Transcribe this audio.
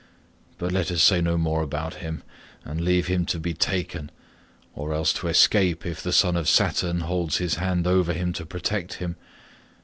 But let us say no more about him, and leave him to be taken, or else to escape if the son of Saturn holds his hand over him to protect him.